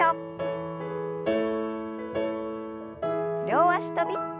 両脚跳び。